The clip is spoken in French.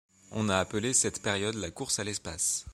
On a appelé cette période la course à l'espace.